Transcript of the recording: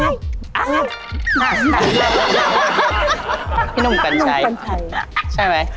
พี่หนุ่มกัญชัยใช่ไหมพี่หนุ่มกัญชัยใช่